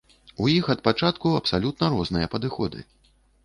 У іх ад пачатку абсалютна розныя падыходы.